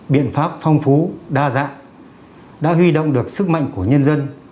biện pháp phong phú đa dạng đã huy động được sức mạnh của nhân dân